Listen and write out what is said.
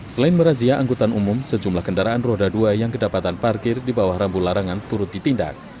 selain merazia angkutan umum sejumlah kendaraan roda dua yang kedapatan parkir di bawah rambu larangan turut ditindak